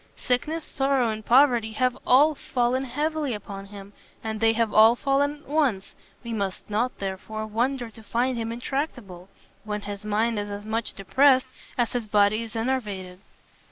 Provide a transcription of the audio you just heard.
Sickness, sorrow, and poverty have all fallen heavily upon him, and they have all fallen at once: we must not, therefore, wonder to find him intractable, when his mind is as much depressed, as his body is enervated."